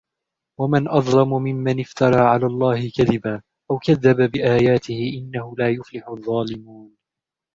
وَمَنْ أَظْلَمُ مِمَّنِ افْتَرَى عَلَى اللَّهِ كَذِبًا أَوْ كَذَّبَ بِآيَاتِهِ إِنَّهُ لَا يُفْلِحُ الظَّالِمُونَ